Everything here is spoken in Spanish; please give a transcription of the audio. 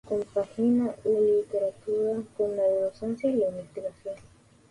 Compagina la literatura con la docencia y la investigación.